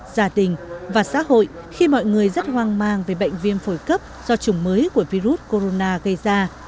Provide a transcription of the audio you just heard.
gia đình và xã hội khi mọi người rất hoang mang về bệnh viêm phổi cấp do chủng mới của virus corona gây ra